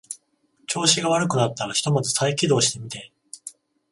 調子が悪くなったらひとまず再起動してみて